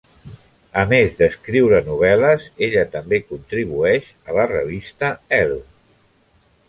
A més d'escriure novel·les, ella també contribueix a la revista "Elle".